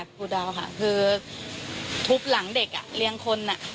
ครูดาวค่ะคือทุบหลังเด็กอ่ะเลี้ยงคน